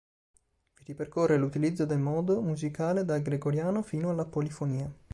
Vi ripercorre l'utilizzo de Modo musicale dal gregoriano fino alla polifonia.